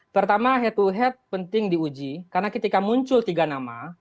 pertama head to head penting diuji karena ketika muncul tiga nama